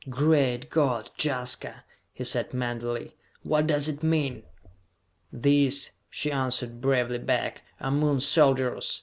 "Great God, Jaska!" he sent mentally, "what does it mean?" "These," she answered bravely back, "are Moon soldiers!